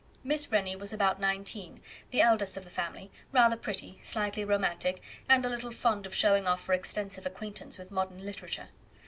Miss Rennie was about nineteen, the eldest of the family, rather pretty, slightly romantic, and a little fond of showing off her extensive acquaintance with modern literature.